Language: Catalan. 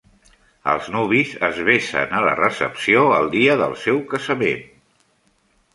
Els nuvis es besen a la recepció el dia del seu casament.